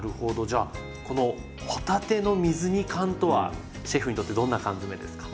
じゃあこの帆立ての水煮缶とはシェフにとってどんな缶詰ですか？